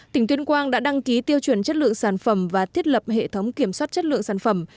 tỉnh tuyên quang đã đăng ký tiêu chuẩn chất lượng sản phẩm và thiết lập hệ thống kiểm soát chất lượng sản phẩm